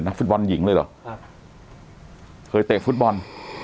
ฟุตบอลหญิงเลยเหรอครับเคยเตะฟุตบอล